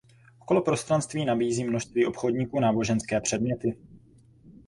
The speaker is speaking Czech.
Okolo prostranství nabízí množství obchodníků náboženské předměty.